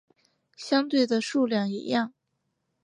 相对的数量一样。